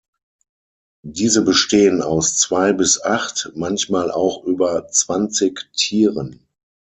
Diese bestehen aus zwei bis acht, manchmal auch über zwanzig Tieren.